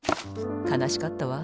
かなしかったわ。